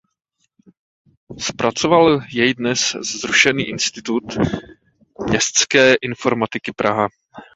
Zpracovával jej dnes zrušený Institut městské informatiky Praha.